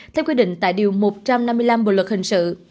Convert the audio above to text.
theo quy định tại điều một trăm năm mươi năm bộ luật hình sự